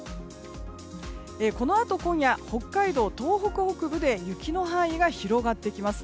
このあと今夜北海道、東北北部で雪の範囲が広がってきます。